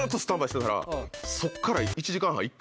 そっから。